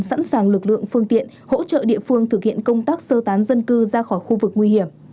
sẵn sàng lực lượng phương tiện hỗ trợ địa phương thực hiện công tác sơ tán dân cư ra khỏi khu vực nguy hiểm